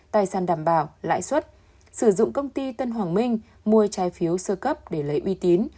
tài sản đảm bảo lãi suất sử dụng công ty tân hoàng minh mua trái phiếu sơ cấp để lấy uy tín